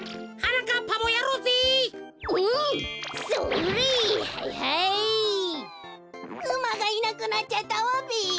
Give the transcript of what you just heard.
うまがいなくなっちゃったわべ。